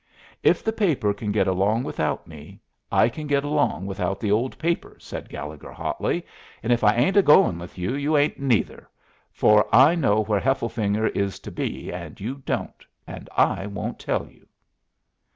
"If the paper can get along without me, I can get along without the old paper," said Gallegher, hotly. "And if I ain't a going with you, you ain't neither, for I know where Hefflefinger is to be, and you don't, and I won't tell you."